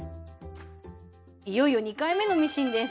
いよいよ２回目のミシンです。